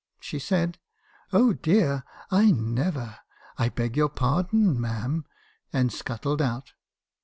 She said: "' Oh dear! I never! I beg your pardon , Ma'am,' and scut tled out.